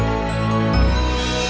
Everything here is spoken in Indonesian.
eh itu lagu apa